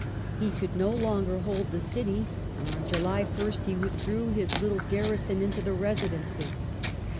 He could no longer hold the city, and on July 1st he withdrew his little garrison into the Residency.